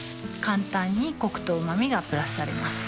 簡単にコクとうま味がプラスされます